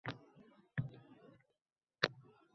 Og‘riqlarimni tabassum ortiga berkitaman.